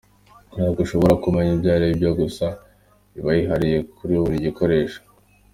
Ntabwo ushobora kumenya ibyo aribyo gusa iba yihariye kuri buri gikoresho.